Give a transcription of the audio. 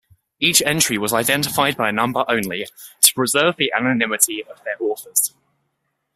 Each entry was identified by number only, to preserve the anonymity of their authors.